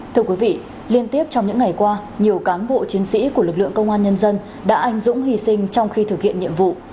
thưa quý vị liên tiếp trong những ngày qua nhiều cán bộ chiến sĩ của lực lượng công an nhân dân đã anh dũng hy sinh trong khi thực hiện nhiệm vụ